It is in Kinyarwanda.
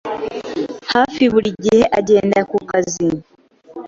hafi buri gihe agenda ku kazi.